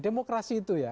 demokrasi itu ya